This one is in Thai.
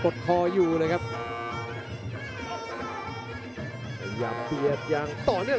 ชัมเปียร์ชาเลน์